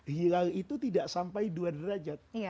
hilal itu tidak sampai dua derajat